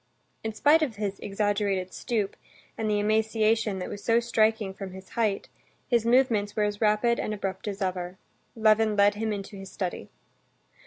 In spite of his exaggerated stoop, and the emaciation that was so striking from his height, his movements were as rapid and abrupt as ever. Levin led him into his study.